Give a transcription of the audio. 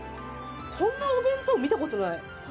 こんなお弁当見たことない。